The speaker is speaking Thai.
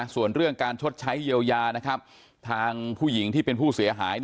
ส่วนเรื่องการชดใช้เยียวยานะครับทางผู้หญิงที่เป็นผู้เสียหาย